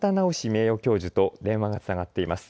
名誉教授と電話がつながっています。